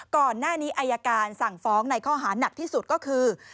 ก่อนหน้านี้อายการสั่งฟ้องในข้อหานักที่สุดก็คือ